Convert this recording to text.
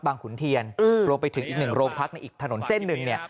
ขุนเทียนรวมไปถึงอีกหนึ่งโรงพักในอีกถนนเส้นหนึ่งเนี่ย